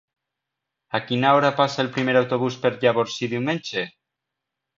A quina hora passa el primer autobús per Llavorsí diumenge?